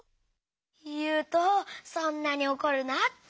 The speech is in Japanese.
ゆうとそんなにおこるなって。